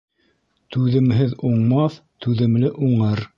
Түҙемһеҙ уңмаҫ, түҙемле уңыр.